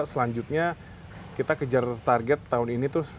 selanjutnya kita kejar target tahun ini tuh